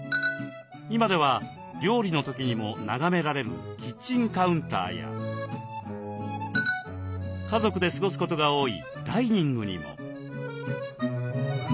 今では料理の時にも眺められるキッチンカウンターや家族で過ごすことが多いダイニングにも。